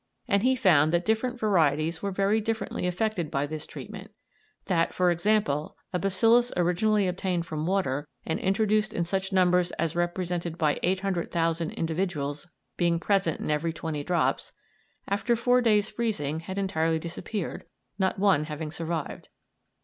and he found that different varieties were very differently affected by this treatment; that, for example, a bacillus originally obtained from water, and introduced in such numbers as represented by 800,000 individuals being present in every twenty drops, after four days' freezing had entirely disappeared, not one having survived.